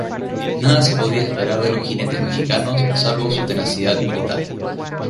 Nada se podía esperar de los jinetes mexicanos, salvo su tenacidad militar.